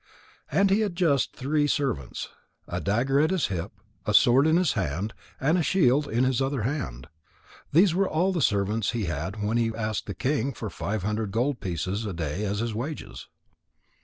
And he had just three servants, a dagger at his hip, a sword in his hand, and a shield in his other hand. These were all the servants he had when he asked the king for five hundred gold pieces a day as his wages.